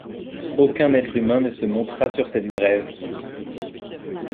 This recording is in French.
Aucun être humain ne se montra sur cette grève.